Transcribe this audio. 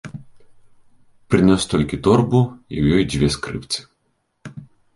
Прынёс толькі торбу і ў ёй дзве скрыпіцы.